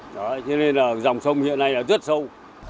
thế nên là dòng sông hiện nay là rất sâu